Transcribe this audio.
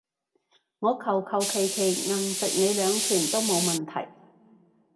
我求求其其硬食你兩拳都冇問題